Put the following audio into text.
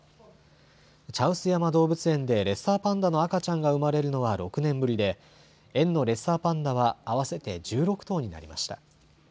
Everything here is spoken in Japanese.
茶臼山動物園でレッサーパンダの赤ちゃんがうまれるのは６年ぶりで、園のレッサーパンダは合わせて１６頭になりました。